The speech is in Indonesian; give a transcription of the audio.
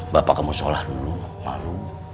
bapak kamu sholat dulu